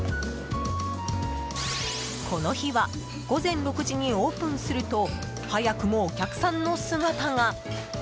この日は午前６時にオープンすると早くもお客さんの姿が。